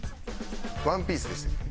ワンピースでしたっけ？